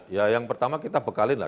ya yang pertama kita bekalin lah